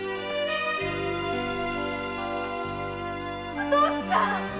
お父っつぁん‼